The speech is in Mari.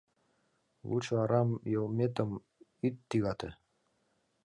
Лучо арам йылметымат ит тӱгате!